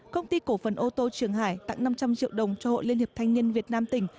công ty cổ phần ô tô trường hải tặng năm trăm linh triệu đồng cho hội liên hiệp thanh niên việt nam tỉnh